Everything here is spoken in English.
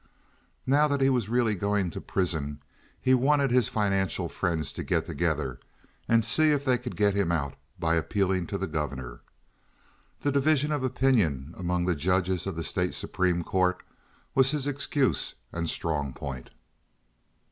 Now that he was really going into prison, he wanted his financial friends to get together and see if they could get him out by appealing to the Governor. The division of opinion among the judges of the State Supreme Court was his excuse and strong point.